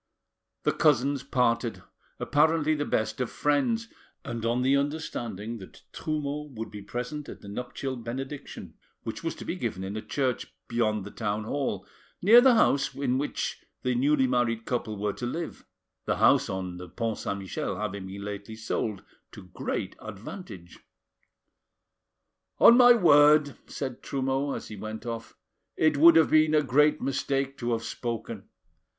The cousins parted, apparently the best of friends, and on the understanding that Trumeau would be present at the nuptial benediction, which was to be given in a church beyond the town hall, near the house in which the newly married couple were to live; the house on the Pont Saint Michel having lately been sold to great advantage. "On my word," said Trumeau, as he went off, "it would have been a great mistake to have spoken.